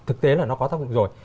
thực tế là nó có tác dụng rồi